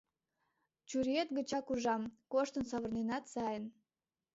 Чуриет гычак ужам, коштын савырненат сайын.